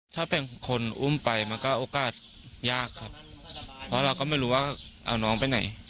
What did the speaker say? ถ้าเป็นคนอุ้มไปมันก็โอกาสยากครับเพราะเราก็ไม่รู้ว่าเอาน้องไปไหน